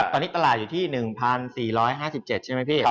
ตอนนี้ตลาดอยู่ที่๑๔๕๗ใช่ไหมพี่